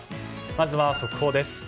まずは速報です。